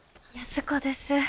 安子です。